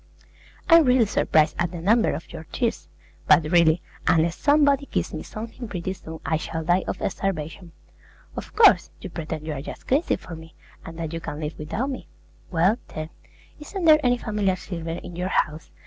I'm really surprised at the number of your tears; but really, unless somebody gives me something pretty soon I shall die of starvation. Of course, you pretend you're just crazy for me, and that you can't live without me. Well, then, isn't there any family silver in your house?